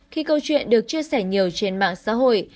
khi câu chuyện được chia sẻ nhiều trên mạng xã hội